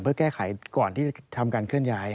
เพื่อแก้ไขก่อนที่จะทำการเคลื่อนย้าย